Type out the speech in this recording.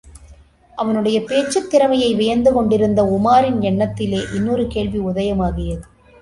அவனுடைய பேச்சுத் திறமையை வியந்து கொண்டிருந்த உமாரின் எண்ணத்திலே, இன்னொரு கேள்வி உதயமாகியது.